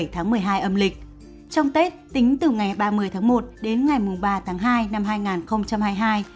trong tết tính từ ngày ba mươi một đến ngày ba hai hai nghìn hai mươi hai